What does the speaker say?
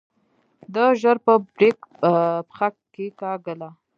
ده ژر په بريک پښه کېکاږله.